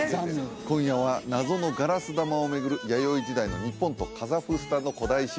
今夜は謎のガラス玉を巡る弥生時代の日本とカザフスタンの古代史